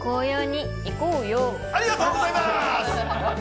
ありがとうございます。